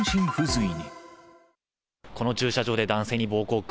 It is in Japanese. この駐車場で男性に暴行を加